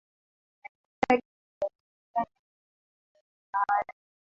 Alipopewa kiti cha usultan aliishi maisha ya kimagharibi